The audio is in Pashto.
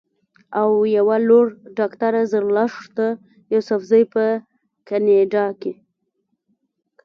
او يوه لورډاکټره زرلښته يوسفزۍ پۀ کنېډا